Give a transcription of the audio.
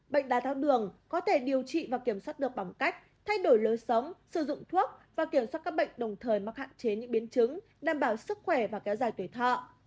bệnh đá thao đường có thể điều trị và kiểm soát được bằng cách thay đổi lối sống sử dụng thuốc và kiểm soát các bệnh đồng thời mắc hạn chế những biến chứng đảm bảo sức khỏe và kéo dài tuổi thọ